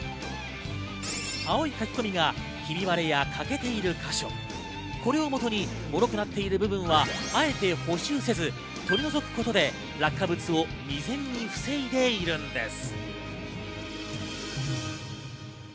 青い書き込みがひび割れやかけているか所、これを基にもろくなっている部分はあえて補修せず、取り除くことで落下物を未然に防いでいるんです。